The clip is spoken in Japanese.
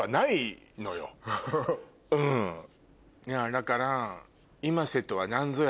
だから。